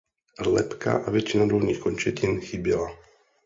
Lebka a většina dolních končetin chyběla.